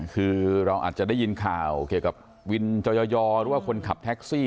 คือเราอาจจะได้ยินข่าวเกี่ยวกับวินจอยอหรือว่าคนขับแท็กซี่